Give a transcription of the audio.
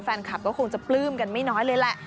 แฟนคลับก็คงจะปลื้มกันไม่น้อยเลยแหละ